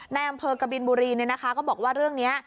ในอำเภอกบินบุรีก็บอกว่าเรื่องนี้